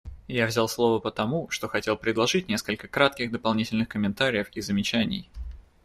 Я взял слово потому, что хотел предложить несколько кратких дополнительных комментариев и замечаний.